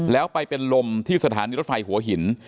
แล้วไปเป็นลมที่สถานีรถไฟหัวหิน